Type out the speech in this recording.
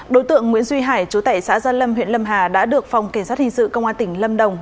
đối tượng nguyễn duy hải chú tại xã gia lâm huyện lâm hà đã được phòng cảnh sát hình sự công an tỉnh lâm đồng